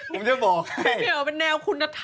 ผมจะบอกให้เพราะเหมียวเป็นแนวคุณธรรม